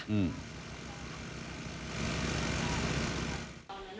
อืม